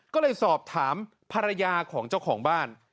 ก็เลยสอบถามภรรยาของเจ้าของบ้าน